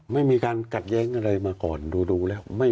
ไม่มีการขัดแย้งอะไรมาก่อนดูแล้ว